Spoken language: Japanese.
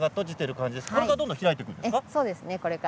これからどんどん開いていくんですか？